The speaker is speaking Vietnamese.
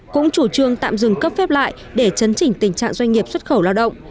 cũng chủ trương tạm dừng cấp phép lại để chấn chỉnh tình trạng doanh nghiệp xuất khẩu lao động